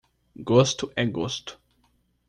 Gosto é gosto.